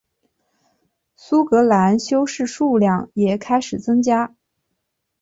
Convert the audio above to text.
苏格兰修士数量也开始增加。